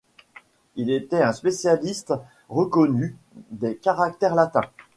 Il était un spécialiste reconnu des caractères latins.